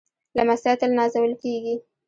لمسی تل نازول کېږي.